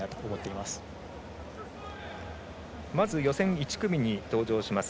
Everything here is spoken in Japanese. まず予選１組に登場します